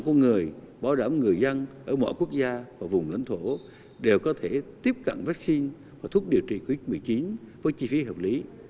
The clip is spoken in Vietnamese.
chất lượng của người bảo đảm người dân ở mọi quốc gia và vùng lãnh thổ đều có thể tiếp cận vắc xin và thuốc điều trị covid một mươi chín với chi phí hợp lý